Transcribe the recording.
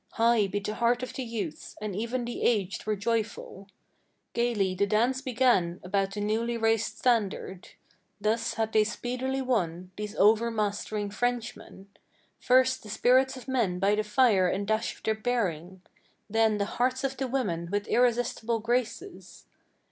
High beat the heart of the youths, and even the aged were joyful; Gaily the dance began about the newly raised standard. Thus had they speedily won, these overmastering Frenchmen, First the spirits of men by the fire and dash of their bearing, Then the hearts of the women with irresistible graces.